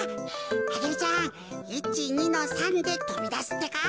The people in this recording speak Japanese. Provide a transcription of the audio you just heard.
アゲルちゃん１２の３でとびだすってか。